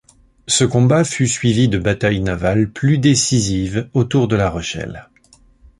Ce combat fut suivi de batailles navales plus décisives autour de La Rochelle.